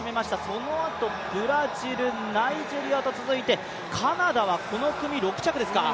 そのあとブラジル、ナイジェリアと続いてカナダはこの組、６着ですか？